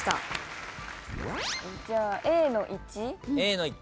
じゃあＡの１。